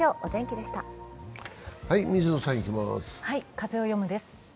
「風をよむ」です。